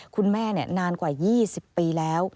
คุณแม่นานกว่า๒๐ปีแล้ว